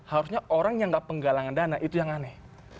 harusnya orang yang gak penggalangan dana itu yang aneh